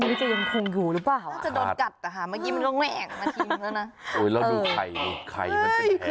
โอ้ยอยากดูไข่มาซิ